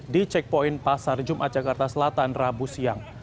di checkpoint pasar jumat jakarta selatan rabu siang